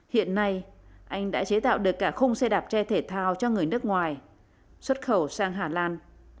hiện nay anh đã chế tạo được cả khung xe đạp tre thể thao cho người nước ngoài xuất khẩu sang hà lan